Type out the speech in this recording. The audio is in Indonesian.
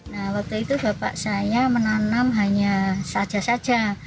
nah waktu itu bapak saya menanam hanya saja saja